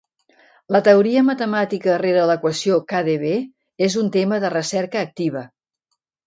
La teoria matemàtica rere l'equació KdV és un tema de recerca activa.